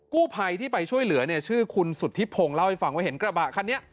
กู้ภัยที่ไปช่วยเหลือเนี่ยชื่อคุณสุธิพงศ์เล่าให้ฟังว่าเห็นกระบะคันนี้